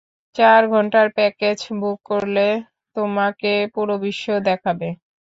চার ঘন্টার package book করলে, তোমাকে পুরো বিশ্ব দেখাবো।